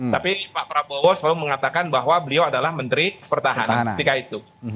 tapi pak prabowo selalu mengatakan bahwa beliau adalah menteri pertahanan ketika itu